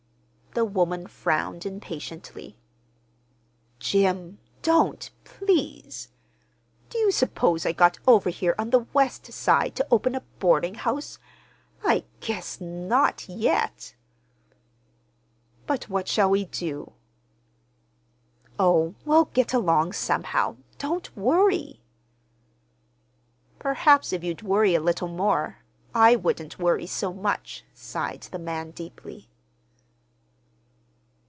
The woman frowned impatiently. "Jim, don't, please! Do you suppose I got over here on the West Side to open a boarding house? I guess not—yet!" "But what shall we do?" "Oh, we'll get along somehow. Don't worry!" "Perhaps if you'd worry a little more, I wouldn't worry so much," sighed the man deeply.